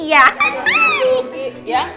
iya udah selesai ya